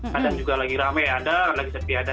kadang juga lagi rame ada lagi sedikit ada